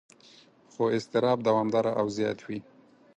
خو اضطراب دوامداره او زیات وي.